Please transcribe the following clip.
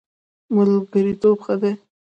ملګرتوب ښه دی.